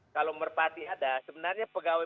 kalau merpati ada sebenarnya pegawai